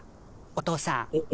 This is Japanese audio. おお父さん？